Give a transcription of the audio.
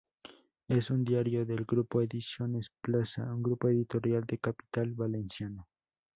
Es un diario del grupo Ediciones Plaza, un grupo editorial de capital valenciano.